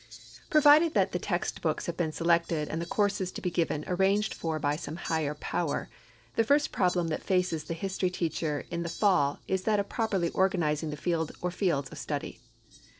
Provided that the text books have been selected and the courses to be given arranged for by some higher power, the first problem that faces the history teacher in the fall is that of properly organizing the field or fields of study.